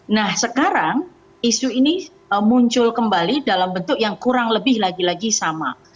nah sekarang isu ini muncul kembali dalam bentuk yang kurang lebih lagi lagi sama